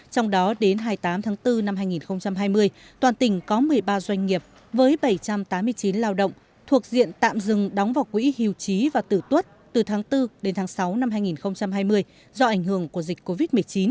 trong đó đến hai mươi tám tháng bốn năm hai nghìn hai mươi toàn tỉnh có một mươi ba doanh nghiệp với bảy trăm tám mươi chín lao động thuộc diện tạm dừng đóng vào quỹ hưu trí và tử tuất từ tháng bốn đến tháng sáu năm hai nghìn hai mươi do ảnh hưởng của dịch covid một mươi chín